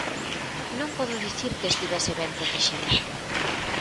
Non podo dicir que estivese ben protexida.